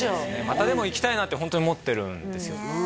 また行きたいなってホントに思ってるんですよ